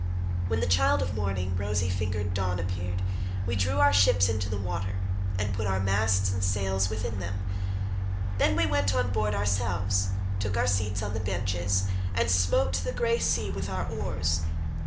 When the child of morning, rosy fingered Dawn appeared, we drew our ships into the water, and put our masts and sails within them; then we went on board ourselves, took our seats on the benches, and smote the grey sea with our oars.